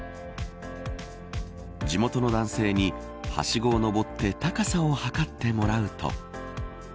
地元の男性に、はしごを登って高さを測ってもらうと。